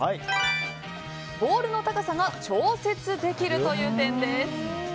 ボウルの高さが調節できるという点です。